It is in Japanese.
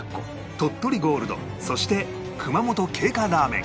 鳥取ゴールドそして熊本桂花ラーメン